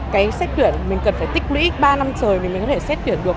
cái xét tuyển mình cần phải tích lũy ba năm trời vì mình có thể xét tuyển được